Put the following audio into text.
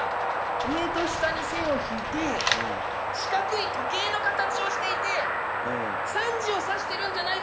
上と下に線を引いて四角い時計の形をしていて３時を指してるんじゃないでしょうか。